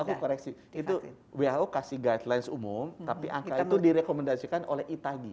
aku koreksi itu who kasih guidelines umum tapi angka itu direkomendasikan oleh itagi